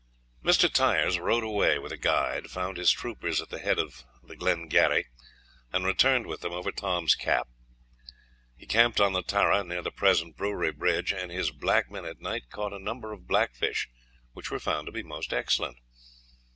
Mr. Tyers rode away with a guide, found his troopers at the head of the Glengarry, and returned with them over Tom's Cap. He camped on the Tarra, near the present Brewery Bridge, and his black men at night caught a number of blackfish, which were found to be most excellent.